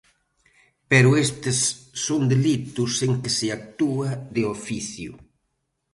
Pero estes son delitos en que se actúa de oficio.